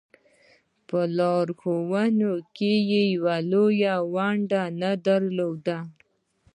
په لارښوونه کې یې لویه ونډه نه درلوده.